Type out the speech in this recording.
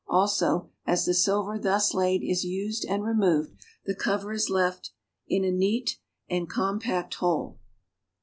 Also, as the silver thus laid is used and removed "the cover" is left in a neat and compact whole.